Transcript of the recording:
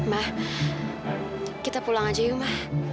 mbak kita pulang aja yuk ma